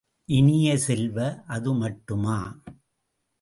இனிய செல்வ, அதுமட்டுமா?